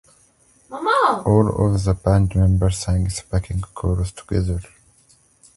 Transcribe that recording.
All of the band members sang the backing chorus together.